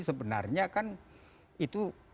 sebenarnya kan itu